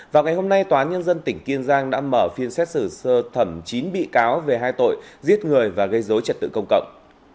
vào ngày hôm nay tòa nhân dân tỉnh kiên giang đã mở phiên xét xử sơ thẩm chín bị cáo về hai tội giết người và gây dối trật tự công cộng